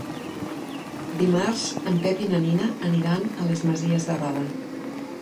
Dimarts en Pep i na Nina aniran a les Masies de Roda.